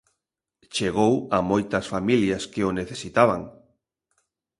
Chegou a moitas familias que o necesitaban.